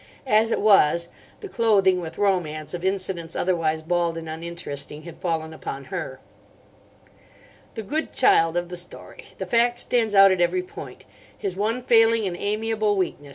As it was, the clothing with romance of incidents otherwise bald and uninteresting had fallen upon her. "The good child of the story. The fact stands out at every point. His one failing an amiable weakness.